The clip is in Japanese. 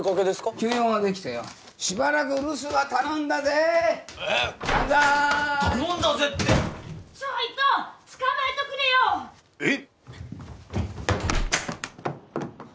急用ができてよしばらく留守は頼んだぜバンザーイ頼んだぜって・ちょいと捕まえとくれよえッ？